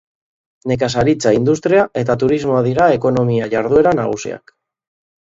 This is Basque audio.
Nekazaritza, industria eta turismoa dira ekonomia jarduera nagusiak.